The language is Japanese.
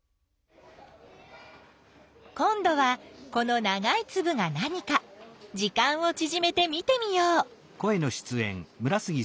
今どはこのながいつぶが何か時間をちぢめて見てみよう。